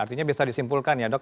artinya bisa disimpulkan ya dok